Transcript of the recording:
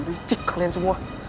wicik kalian semua